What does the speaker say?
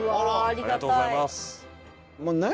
ありがとうございます。